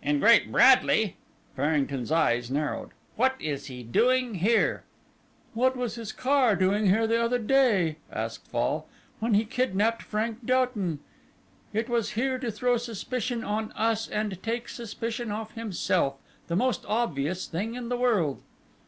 "In Great Bradley!" Farrington's eyes narrowed. "What is he doing here?" "What was his car doing here the other day," asked Fall, "when he kidnapped Frank Doughton? It was here to throw suspicion on us and take suspicion off himself, the most obvious thing in the world."